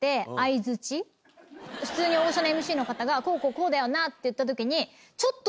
普通に大御所のＭＣの方がこうこうこうだよなって言った時に。